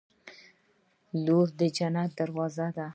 • لور د جنت دروازه ده.